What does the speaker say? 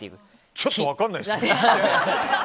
ちょっと分からないです。